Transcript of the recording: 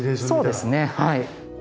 そうですねはい。